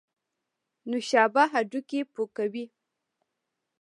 نوشابه هډوکي پوکوي